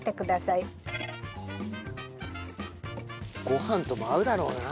ご飯とも合うだろうな。